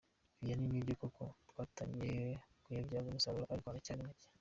Vianney: Nibyo koko twatangiye kuyabyaza umusaruro, ariko aracyari make.